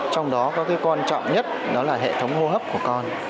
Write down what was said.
trong đó có cái quan trọng nhất đó là hệ thống hô hấp của con